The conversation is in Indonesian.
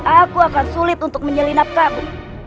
aku akan sulit untuk menyelinap kamu